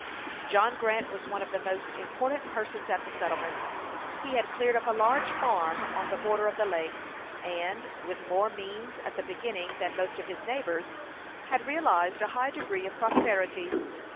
John Grant was one of the most important persons at the settlement. He had cleared up a large farm on the border of the lake, and, with more means at the beginning than most of his neighbors, had realized a high degree of prosperity.